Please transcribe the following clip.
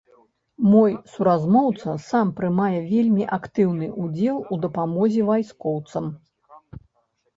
Мой суразмоўца сам прымае вельмі актыўны ўдзел у дапамозе вайскоўцам.